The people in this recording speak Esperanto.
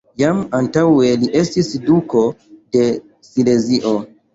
Jam antaŭe li estis duko de Silezio.